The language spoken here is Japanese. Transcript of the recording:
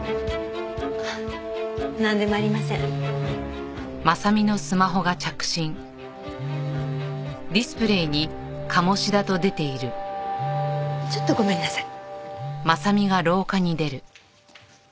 あなんでもありません。ちょっとごめんなさい。